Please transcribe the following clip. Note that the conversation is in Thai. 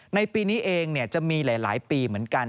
ในปีนี้เองจะมีหลายปีเหมือนกัน